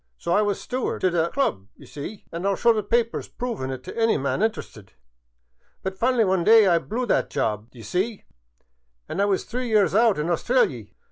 So I was steward t' the Club, d' ye see — an' I '11 show the papers provin' it t' any man interested — but fin'ly one day I blew that job, d'ye see; an* I was three years out in Australy.